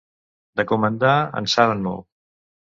De comandar en saben molt.